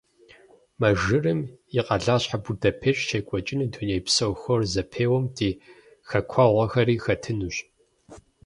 Мэжэрым и къэлащхьэ Будапешт щекӏуэкӏыну дунейпсо хор зэпеуэм ди хэкуэгъухэри хэтынущ.